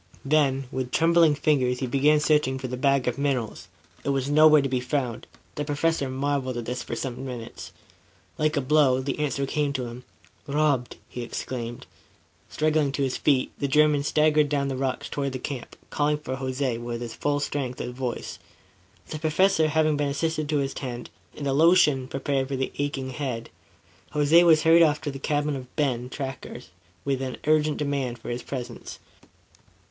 Then, with trembling fingers he began searching for the bag of minerals. It was nowhere to be found. The Professor marveled at this for some minutes. Like a blow, the answer came to him. "Robbed!" he exclaimed. Struggling to his feet, the German staggered down the rocks toward the camp, calling for Jose with the full strength of his voice. The Professor having been assisted to his tent and a lotion prepared for his aching head, Jose was hurried off to the cabin of Ben Tackers with an urgent demand for his presence.